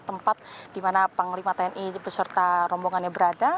tempat di mana panglima tni beserta rombongannya berada